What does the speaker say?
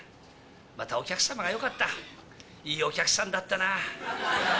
またお客様がよかった、いいお客さんだったなぁ。